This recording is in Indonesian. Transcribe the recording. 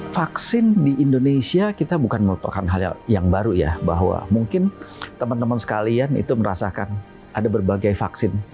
vaksin di indonesia kita bukan merupakan hal yang baru ya bahwa mungkin teman teman sekalian itu merasakan ada berbagai vaksin